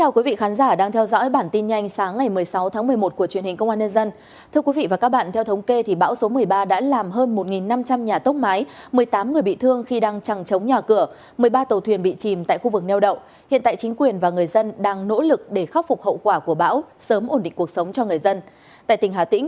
cảm ơn các bạn đã theo dõi